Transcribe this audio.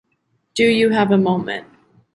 Do you have a moment?